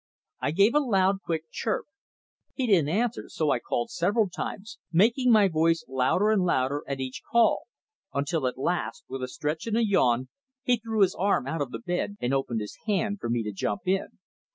I gave a loud, quick chirp. He didn't answer, so I called several times, making my voice louder and louder at each call; until at last, with a stretch and a yawn, he threw his arm out of the bed and opened his hand for me to jump in.